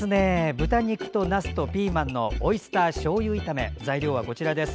豚肉となすとピーマンのオイスターしょうゆ炒め材料はこちらです。